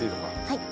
はい。